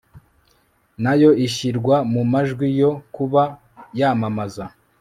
nayo ishyirwa mu majwi yo kuba yamamaza